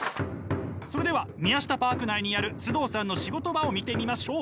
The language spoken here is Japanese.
それではミヤシタパーク内にある須藤さんの仕事場を見てみましょう。